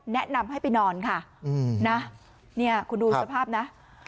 แนะนำให้ไปนอนค่ะนะเนี่ยคุณดูสภาพนะ